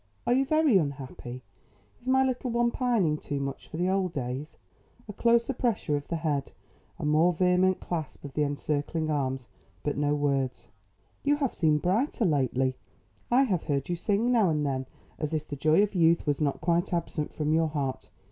"Are you very unhappy? Is my little one pining too much for the old days?" A closer pressure of the head, a more vehement clasp of the encircling arms, but no words. "You have seemed brighter lately. I have heard you sing now and then as if the joy of youth was not quite absent from your heart.